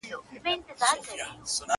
شمع به واخلي فاتحه د جهاني د نظم؛